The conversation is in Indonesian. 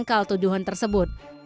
yang kal tuduhan tersebut